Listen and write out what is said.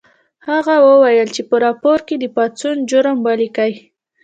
هغه وویل چې په راپور کې د پاڅون جرم ولیکئ